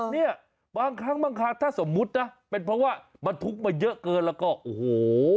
เนี่ยบางครั้งบางครั้งถ้าสมมุตินะเป็นเพราะว่าบรรทุกมาเยอะเกินแล้วก็โอ้โห